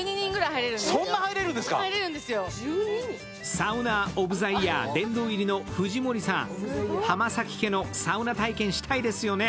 サウナーオブザイヤー殿堂入りの藤森さん、浜崎家のサウナ体験したいですよね？